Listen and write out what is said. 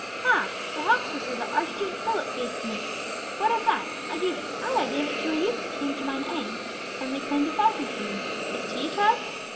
] "Ha! the hawk's whistle that Archduke Philip gave me! What of that? I gave it—ay, I gave it to a youth that came to mine aid, and reclaimed a falcon for me! Is't he, child?"